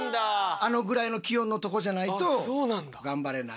あのぐらいの気温のとこじゃないとがんばれない。